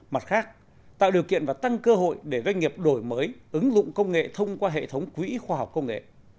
mặt khác tạo điều kiện và tăng cơ hội để doanh nghiệp đổi mới ứng dụng công nghệ thông qua hệ thống quỹ khoa học công nghệ